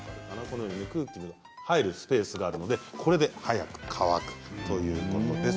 空気が入るスペースがあるのでこれで早く乾くということです。